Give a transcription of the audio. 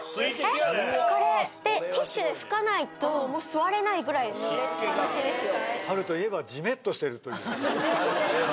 あれでティッシュで拭かないと座れないぐらい濡れっぱなしですよ